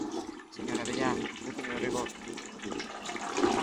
¡Señor Abellá, un pouquiño de rigor!